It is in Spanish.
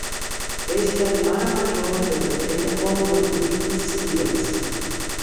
Es la hermana mayor de la estrella porno, Whitney Stevens.